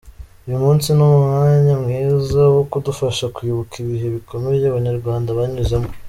Uyu munsi ni umwanya mwiza wo kudufasha kwibuka ibihe bikomeye abanyarwanda banyuzemo.